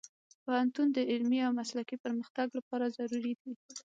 پوهنتون د علمي او مسلکي پرمختګ لپاره ضروري دی.